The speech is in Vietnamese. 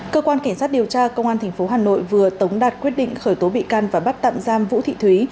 cơ quan cảnh sát điều tra công an tp hà nội vừa tống đạt quyết định khởi tố bị can và bắt tạm giam vũ thị thúy